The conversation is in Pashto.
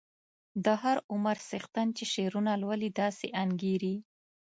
د هر عمر څښتن چې شعرونه لولي داسې انګیري.